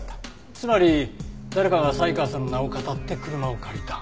つまり誰かが才川さんの名をかたって車を借りた。